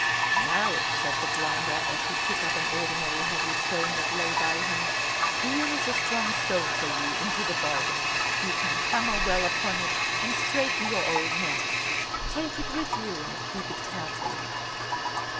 "Now," said the grinder, as he took up an ordinary heavy stone that lay by him, "here is a strong stone for you into the bargain; you can hammer well upon it, and straighten your old nails. Take it with you and keep it carefully."